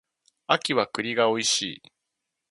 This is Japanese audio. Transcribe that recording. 秋は栗が美味しい